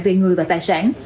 về người và tài sản